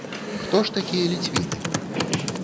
Хто ж такія ліцвіны?